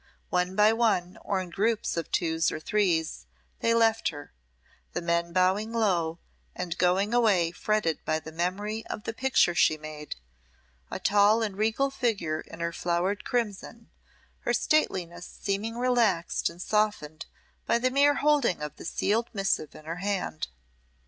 One by one or in groups of twos and threes they left her, the men bowing low, and going away fretted by the memory of the picture she made a tall and regal figure in her flowered crimson, her stateliness seeming relaxed and softened by the mere holding of the sealed missive in her hand.